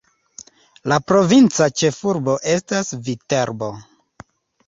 La provinca ĉefurbo estas Viterbo.